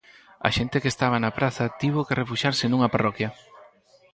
A xente que estaba na praza tivo que refuxiarse nunha parroquia.